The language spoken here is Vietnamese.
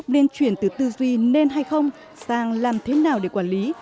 nên chuyển từ tư duy nên hay không sang làm thế nào để quản lý